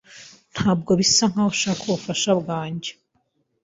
Ntabwo bisa nkaho ushaka ubufasha bwanjye.